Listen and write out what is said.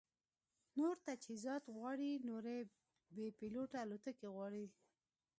نور تجهیزات غواړي، نورې بې پیلوټه الوتکې غواړي